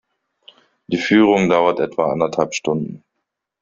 Die Führung dauert etwa anderthalb Stunden.